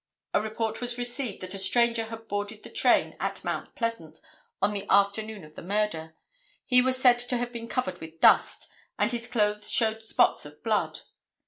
A report was received that a stranger had boarded the train at Mount Pleasant on the afternoon of the murder. He was said to have been covered with dust and his clothes showed spots of blood.